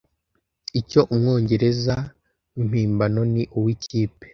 Icyo umwongereza w'impimbano ni uw'ikipe